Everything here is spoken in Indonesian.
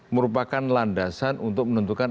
merupakan landasan untuk menentukan